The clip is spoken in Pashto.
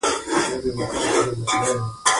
په افغانستان کې اوښ د خلکو د ژوند په کیفیت تاثیر کوي.